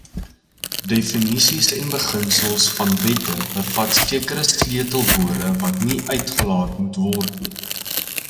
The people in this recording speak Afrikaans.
Definisies en beginsels van wette bevat sekere sleutelwoorde wat nie uitgelaat moet word nie.